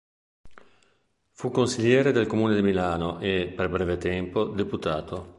Fu consigliere del comune di Milano e, per breve tempo, deputato.